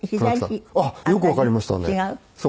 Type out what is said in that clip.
あっよくわかりましたね。